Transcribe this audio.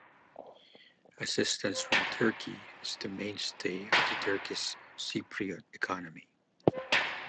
Assistance from Turkey is the mainstay of the Turkish Cypriot economy.